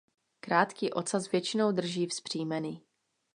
Krátký ocas většinou drží vzpřímený.